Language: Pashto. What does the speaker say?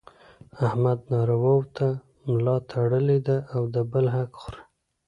احمد نارواوو ته ملا تړلې ده او د بل حق خوري.